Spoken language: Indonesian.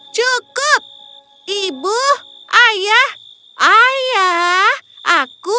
cukup ibu ayah ayah aku